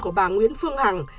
của bà nguyễn phương hằng